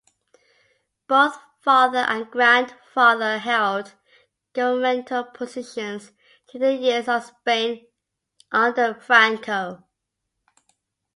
Both father and grandfather held governmental positions during the years of Spain under Franco.